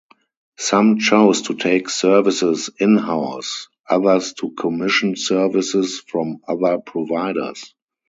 Some chose to take services in-house, others to commission services from other providers.